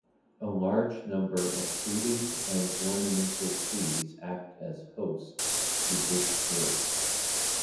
A large number of fruiting and ornamental trees act as hosts to this thrips.